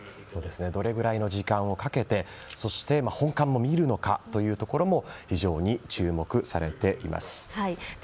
どれぐらいの時間をかけてそして本館も見るのかも非常に注目されています。